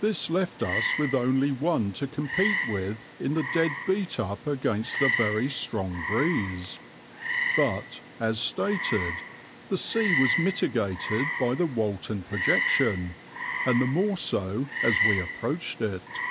This left us with only one to compete with in the dead beat up against a very strong breeze, but, as stated, the sea was mitigated by the Walton projection, and the more so as we approached it.